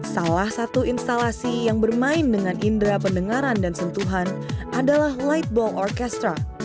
salah satu instalasi yang bermain dengan indera pendengaran dan sentuhan adalah lightball orkestra